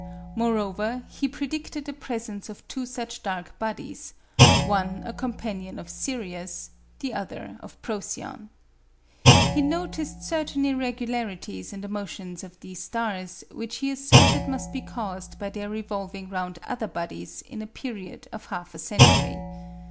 Moreover he predicted the presence of two such dark bodies one a companion of Sirius, the other of Procyon. He noticed certain irregularities in the motions of these stars which he asserted must be caused by their revolving round other bodies in a period of half a century.